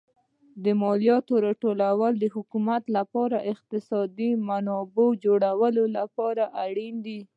د مالیاتو راټولول د حکومت لپاره د اقتصادي منابعو جوړولو لپاره اړین دي.